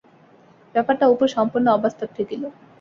ব্যাপারটা অপুর সম্পূর্ণ অবাস্তব ঠেকিল।